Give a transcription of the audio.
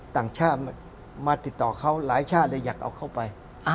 ต่างชาติมาติดต่อเขาหลายชาติเลยอยากเอาเข้าไป